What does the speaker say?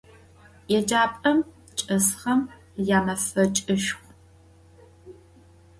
Yêcap'em çç'esxem yamefeç'ışşxu.